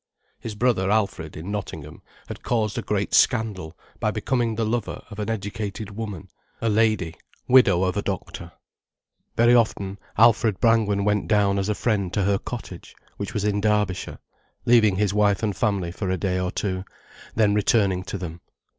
His brother Alfred, in Nottingham, had caused a great scandal by becoming the lover of an educated woman, a lady, widow of a doctor. Very often, Alfred Brangwen went down as a friend to her cottage, which was in Derbyshire, leaving his wife and family for a day or two, then returning to them.